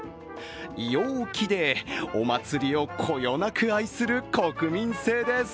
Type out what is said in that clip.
陽気でお祭りをこよなく愛する国民性です。